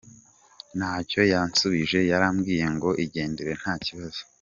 Ntacyo yansubije yarambwiye ngo igendere nta kibazo.